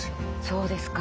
そうですか。